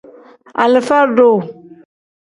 Alifa-duu.